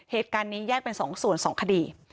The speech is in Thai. เหตุการณ์นี้แยกเป็น๒ส่วน๒คดี